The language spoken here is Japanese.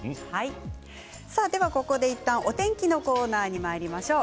ここでいったんお天気のコーナーにまいりましょう。